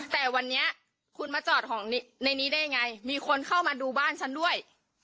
แต่วันนี้คุณมาจอดของในนี้ได้ยังไงมีคนเข้ามาดูบ้านฉันด้วย